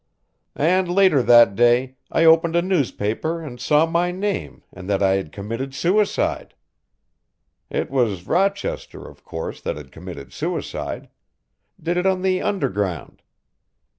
"And later that day I opened a newspaper and saw my name and that I had committed suicide. It was Rochester, of course, that had committed suicide; did it on the underground.